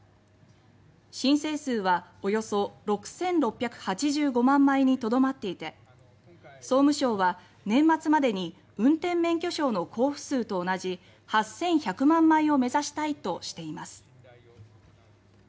申請数はおよそ６６８５万枚にとどまっていて総務省は、年末までに運転免許証の交付数と同じ８１００万枚を目指したいとしています。